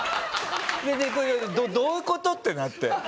「どういう事？」ってなって。